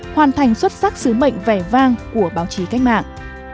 hoàn thành xuất sắc sứ mệnh vẻ vang của báo chí cách mạng